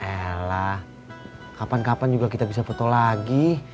ya elah kapan kapan juga kita bisa foto lagi